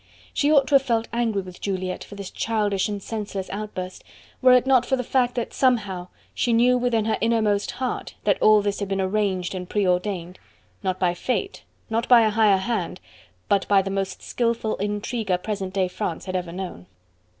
She ought to have felt angry with Juliette for this childish and senseless outburst, were it not for the fact that somehow she knew within her innermost heart that all this had been arranged and preordained: not by Fate not by a Higher Hand, but by the most skilful intriguer present day France had ever known.